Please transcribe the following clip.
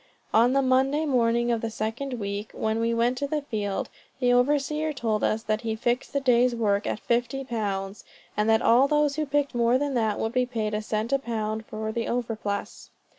On the Monday morning of the second week, when we went to the field, the overseer told us that he fixed the day's work at fifty pounds; and that all those who picked more than that, would be paid a cent a pound for the overplus.